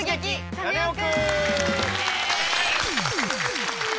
カネオくん」！